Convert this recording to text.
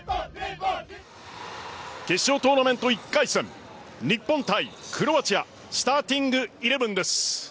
決勝トーナメント１回戦日本対クロアチアスターティングイレブンです。